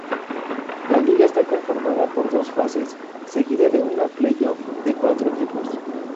La liga está conformada por dos fases, seguida de un playoff de cuatro equipos.